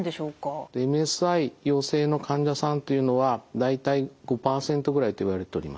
ＭＳＩ陽性の患者さんというのは大体５％ぐらいといわれております。